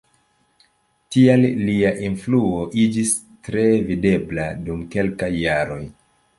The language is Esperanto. Tial lia influo iĝis tre videbla dum kelkaj jaroj.